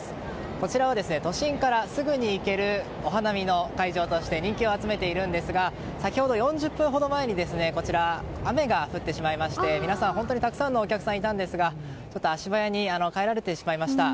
こちらは都心からすぐに行けるお花見の会場として人気を集めているんですが先ほど４０分ほど前に雨が降ってしまいまして皆さん本当にたくさんのお客さんいたんですが足早に帰られてしまいました。